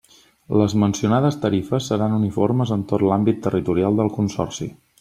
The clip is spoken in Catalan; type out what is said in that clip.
Les mencionades tarifes seran uniformes en tot l'àmbit territorial del Consorci.